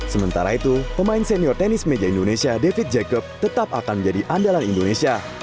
sementara itu pemain senior tenis meja indonesia david jacob tetap akan menjadi andalan indonesia